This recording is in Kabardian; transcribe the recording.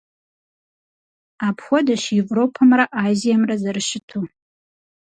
Апхуэдэщ Европэмрэ Азиемрэ зэрыщыту.